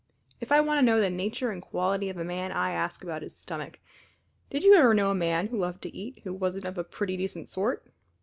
If I want to know the nature and quality of a man I ask about his stomach. Did you ever know a man who loved to eat who wasn't of a pretty decent sort?